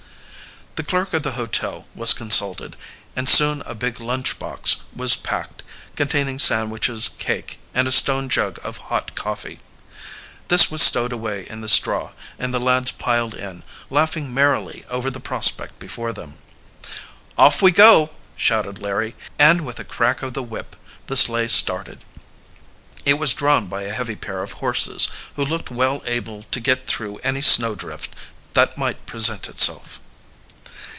The clerk of the hotel was consulted, and soon a big lunch box was packed, containing sandwiches, cake, and a stone jug of hot coffee. This was stowed away in the straw, and the lads piled in, laughing merrily over the prospect before them. "Off we go!" shouted Larry, and with a crack of the whip the sleigh started. It was drawn by a heavy pair of horses, who looked well able to get through any snowdrift that might present itself.